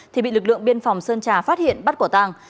thì bị lực lượng biên phòng sơn trà phát hiện bắt quả tàng